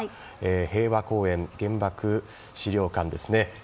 平和公園、原爆資料館ですね。